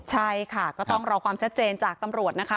ใช่ค่ะก็ต้องรอความชัดเจนจากตำรวจนะคะ